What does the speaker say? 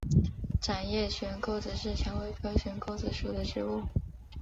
掌叶悬钩子是蔷薇科悬钩子属的植物。